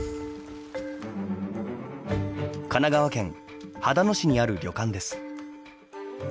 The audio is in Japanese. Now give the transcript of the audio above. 神奈川県秦野市にある旅館です。